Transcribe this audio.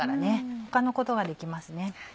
他のことができますね。